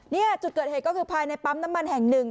นี่จุดเกิดเหตุก็คือภายในปั๊มน้ำมันแห่งหนึ่ง